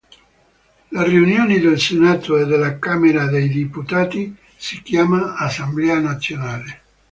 La riunione del Senato e della Camera dei deputati si chiama Assemblea nazionale.